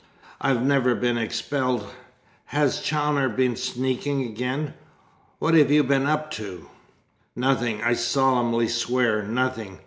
I've never been expelled. Has Chawner been sneaking again? What have you been up to?" "Nothing. I solemnly swear nothing!